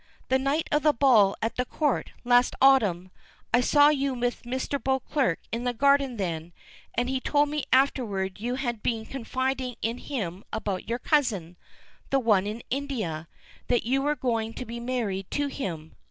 The night of the ball at the Court, last autumn. I saw you with Mr. Beauclerk in the garden then, and he told me afterward you had been confiding in him about your cousin. The one in India. That you were going to be married to him.